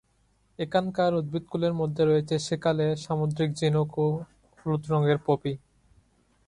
এখানকার উদ্ভিদকুলের মধ্যে রয়েছে সেকালে, সামুদ্রিক ঝিনুক এবং হলুদ রঙের পপি।